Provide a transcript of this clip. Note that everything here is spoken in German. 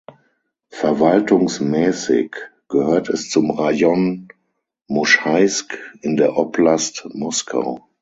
Verwaltungsmäßig gehört es zum Rajon Moschaisk in der Oblast Moskau.